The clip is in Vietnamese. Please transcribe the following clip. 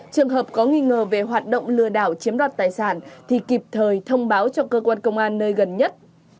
trường hợp có nghi ngờ về hoạt động lừa đảo chiếm đoạt tài sản thì kịp thời thông báo cho cơ quan công an nơi gần nhất